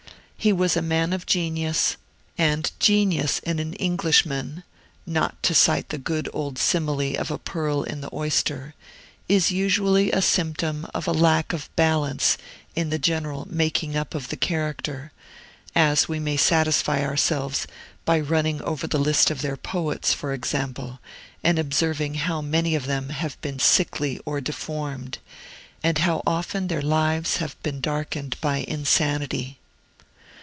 He was a man of genius; and genius in an Englishman (not to cite the good old simile of a pearl in the oyster) is usually a symptom of a lack of balance in the general making up of the character; as we may satisfy ourselves by running over the list of their poets, for example, and observing how many of them have been sickly or deformed, and how often their lives have been darkened by insanity.